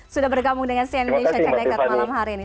sudah bergabung dengan cnn indonesia ceknekar malam hari ini